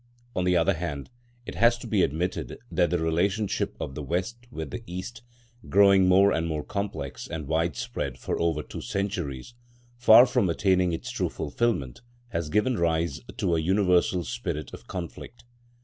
On the other hand, it has to be admitted that the relationship of the West with the East, growing more and more complex and widespread for over two centuries, far from attaining its true fulfilment, has given rise to a universal spirit of conflict.